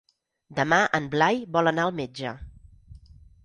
Demà en Blai vol anar al metge.